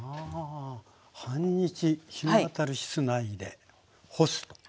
半日日の当たる室内で干す。